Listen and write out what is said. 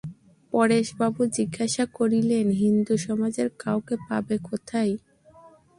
পরেশবাবু জিজ্ঞাসা করিলেন, হিন্দুসমাজের কাউকে পাবে কোথায়?